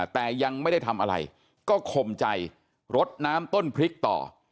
แต่ยังไม่ได้ทำอะไรก็คมใจรดน้ำต้นพริกต่อ